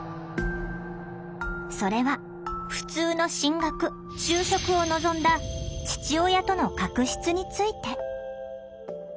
それは「ふつうの進学・就職」を望んだ父親との確執について。